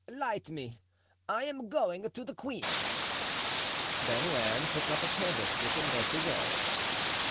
"Light me; I am going to the queen." Bernouin took up a candlestick and led the way.